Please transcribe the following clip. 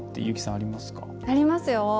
ありますよ。